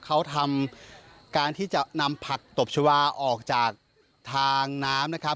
เขาทำการที่จะนำผักตบชาวาออกจากทางน้ำนะครับ